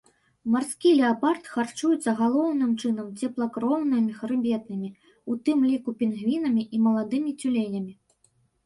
Марскі леапард харчуецца галоўным чынам цеплакроўнымі хрыбетнымі, у тым ліку пінгвінамі і маладымі цюленямі.